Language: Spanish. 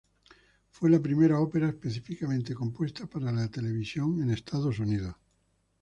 Fue la primera ópera específicamente compuesta para la televisión en Estados Unidos.